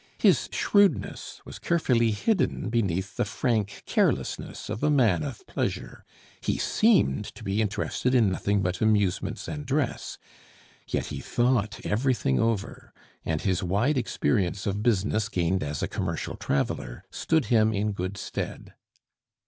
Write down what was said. His shrewdness was carefully hidden beneath the frank carelessness of a man of pleasure; he seemed to be interested in nothing but amusements and dress, yet he thought everything over, and his wide experience of business gained as a commercial traveler stood him in good stead.